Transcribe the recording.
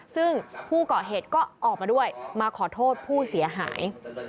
ซึ่งผู้เกาะเหตุก็ออกมาด้วยมาขอโทษผู้เสียหาย